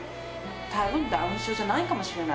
たぶん、ダウン症じゃないかもしれない。